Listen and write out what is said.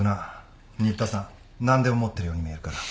新田さん何でも持ってるように見えるから。